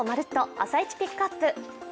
「朝イチＰＩＣＫＵＰ！」。